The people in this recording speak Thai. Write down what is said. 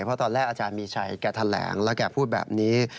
เพราะตอนแรกอาจารย์มีชัยแกแถลงแล้วแกพูดแบบนี้